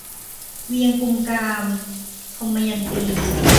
เวียงกุมกาม - ทมยันตี